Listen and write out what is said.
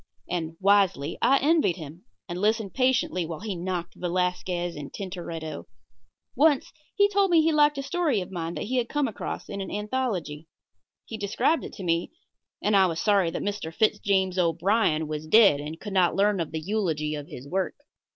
And, wisely, I envied him, and listened patiently while he knocked Velasquez and Tintoretto. Once he told me that he liked a story of mine that he had come across in an anthology. He described it to me, and I was sorry that Mr. Fitz James O'Brien was dead and could not learn of the eulogy of his work.